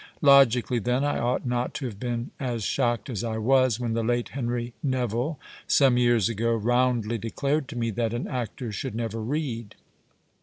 Logically, then, I ought not to have been as shocked as I was when the late Henry Neville some years ago roundly declared to me that an actor " should never read."